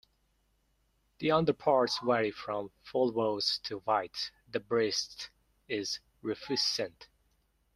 The underparts vary from fulvous to white; the breast is rufescent.